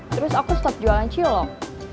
terus aku stok jualan cilok